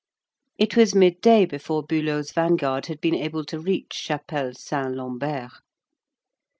It was midday before Bülow's vanguard had been able to reach Chapelle Saint Lambert.